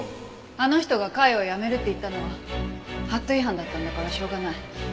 あの人が会を辞めるって言ったのは法度違反だったんだからしょうがない。